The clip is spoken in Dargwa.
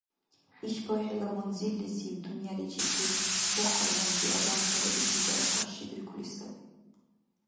ИшбархӀила манзиллизиб дунъяличибти бахъалгъунти адамтала ил изала къаршибиркули саби.